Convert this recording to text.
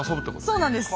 そうなんです。